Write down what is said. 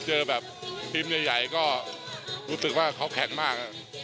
เจอแบบทีมใหญ่ก็รู้สึกว่าเขาแข็งมาก